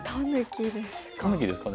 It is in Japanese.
タヌキですか？